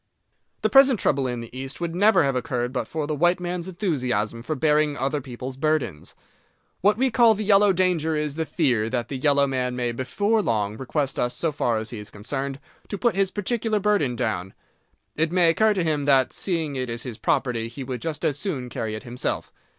The present trouble in the East would never have occurred but for the white man's enthusiasm for bearing other people's burdens. What we call the yellow danger is the fear that the yellow man may before long request us, so far as he is concerned, to put his particular burden down. It may occur to him that, seeing it is his property, he would just as soon carry it himself.